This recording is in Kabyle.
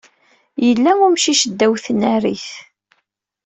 Yella umcic ddaw tnarit.